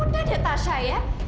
udah deh tasya ya